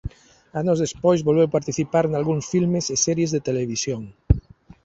Anos despois volveu participar nalgúns filmes e series de televisión.